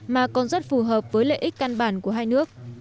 mà còn rất phù hợp với lợi ích căn bản của hai nước